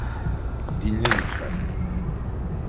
Dinle lütfen.